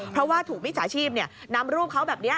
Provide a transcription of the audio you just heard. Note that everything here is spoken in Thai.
เพราะว่าถูกมิจฉาชีพนำรูปเขาแบบนี้